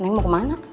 neng mau kemana